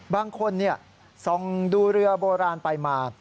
บางคนส่องดูเรือโบราณไปมา